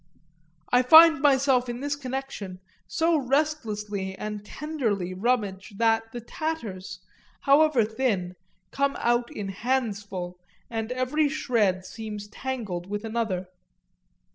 I find myself in this connection so restlessly and tenderly rummage that the tatters, however thin, come out in handsful and every shred seems tangled with another.